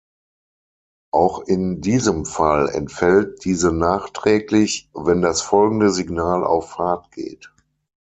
Auch in diesem Fall entfällt diese nachträglich, wenn das folgende Signal auf Fahrt geht.